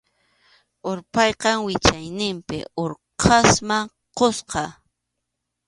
Urpaypa wichayninpi Urqusman kuska.